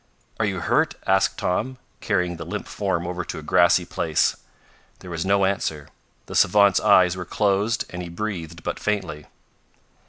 "Are you hurt?" asked Tom, carrying the limp form over to a grassy place. There was no answer, the savant's eyes were closed and he breathed but faintly.